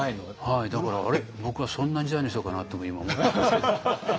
はいだから僕はそんな時代の人かなとも今思ったりして。